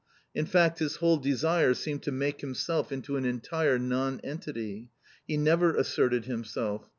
In fact, his whole desire seemed to make himself into an entire nonentity. He never asserted himself.